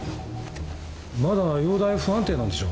まだ容体不安定なんでしょう？